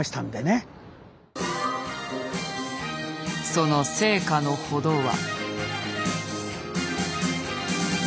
その成果のほどは。